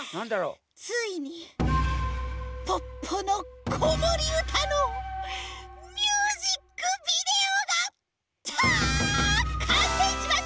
ついに「ポッポのこもりうた」のミュージックビデオがかんせいしました！